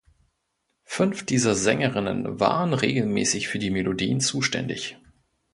Fünf dieser Sängerinnen waren regelmäßig für die Melodien zuständig.